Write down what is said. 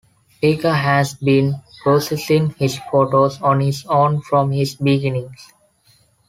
Plicka has been processing his photos on his own from his beginnings.